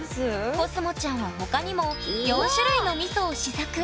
こすもちゃんは他にも４種類のみそを試作。